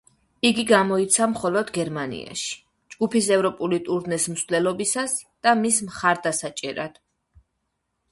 იგი გამოიცა მხოლოდ გერმანიაში, ჯგუფის ევროპული ტურნეს მსვლელობისას და მის მხარდასაჭერად.